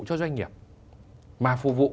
cho doanh nghiệp mà phục vụ